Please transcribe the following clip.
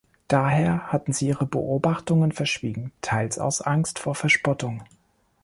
Daher hatten sie ihre Beobachtungen verschwiegen, teils aus Angst vor Verspottung.